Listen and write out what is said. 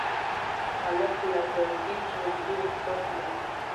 هلک له زړګي ژوندي احساس لري.